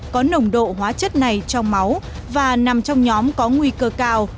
có nồng độ hóa chất này trong máu và nằm trong nhóm có nguy cơ cao